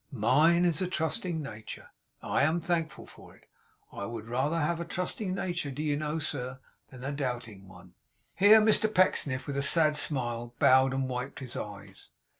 Mine is a trusting nature. I am thankful for it. I would rather have a trusting nature, do you know, sir, than a doubting one!' Here Mr Pecksniff, with a sad smile, bowed, and wiped his eyes.